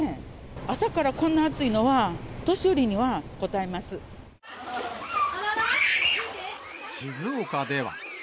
朝からこんな暑いのは、静岡では。